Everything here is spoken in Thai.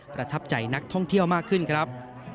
ประทับใจนักท่องเที่ยวมากขึ้นครับ